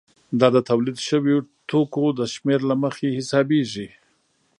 دا د تولید شویو توکو د شمېر له مخې حسابېږي